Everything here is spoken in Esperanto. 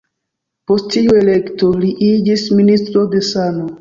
Post tiu elekto, li iĝis Ministro de sano.